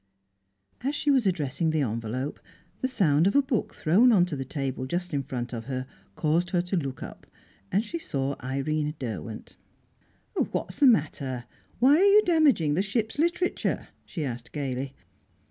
As she was addressing the envelope, the sound of a book thrown on to the table just in front of her caused her to look up, and she saw Irene Derwent. "What's the matter? Why are you damaging the ship's literature?" she asked gaily.